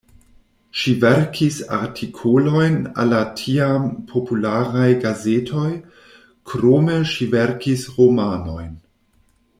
Ŝi verkis artikolojn al la tiam popularaj gazetoj, krome ŝi verkis romanojn.